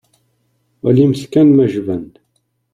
Walimt kan ma jban-d.